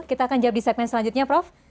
kita akan jawab di segmen selanjutnya prof